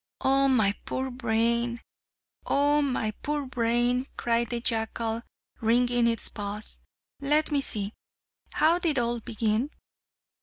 "Oh, my poor brain! oh, my poor brain!" cried the jackal, wringing its paws. "Let me see! how did it all begin?